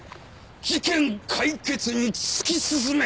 事件解決に突き進め！